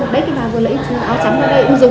đấy cái bà vừa lấy chú áo trắng ra đây cũng dùng vào dùng